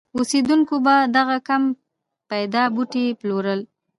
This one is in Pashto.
اوسېدونکو به دغه کم پیدا بوټي پلورل.